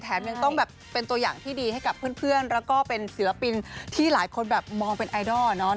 ยังต้องแบบเป็นตัวอย่างที่ดีให้กับเพื่อนแล้วก็เป็นศิลปินที่หลายคนแบบมองเป็นไอดอลเนอะ